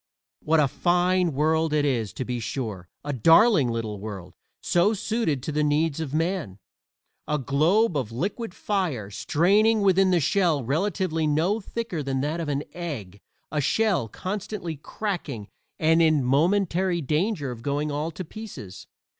What a fine world it is, to be sure a darling little world, "so suited to the needs of man." A globe of liquid fire, straining within a shell relatively no thicker than that of an egg a shell constantly cracking and in momentary danger of going all to pieces!